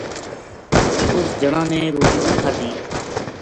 اُس جنا نے روٹی نہ کھادی